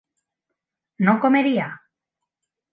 ¿no comería?